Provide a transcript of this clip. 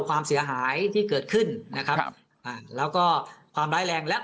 ความเสียหายที่เกิดขึ้นนะครับอ่าแล้วก็ความร้ายแรงและ